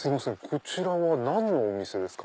こちらは何のお店ですか？